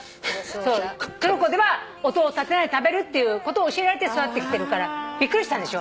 トルコでは音を立てないで食べるっていうことを教えられて育ってきてるからびっくりしたんでしょ？